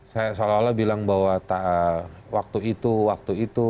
saya seolah olah bilang bahwa waktu itu waktu itu